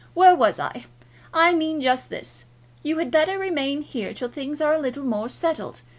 Where was I? I mean just this. You had better remain here till things are a little more settled.